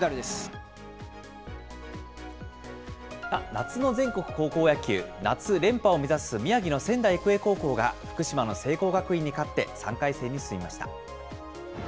夏の全国高校野球、夏連覇を目指す宮城の仙台育英高校が福島の聖光学院に勝って、３回戦に進みました。